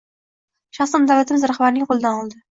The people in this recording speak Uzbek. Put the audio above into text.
Shaxsan davlatimiz rahbarining qoʻlidan oldi